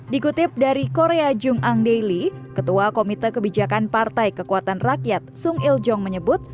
dikutip dari korea jung ang daily ketua komite kebijakan partai kekuatan rakyat sung il jong menyebut